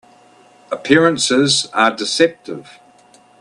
Appearances are deceptive.